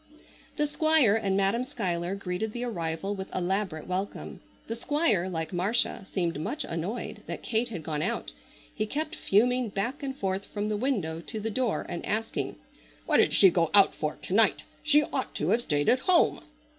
The Squire and Madam Schuyler greeted the arrival with elaborate welcome. The Squire like Marcia seemed much annoyed that Kate had gone out. He kept fuming back and forth from the window to the door and asking: "What did she go out for to night? She ought to have stayed at home!"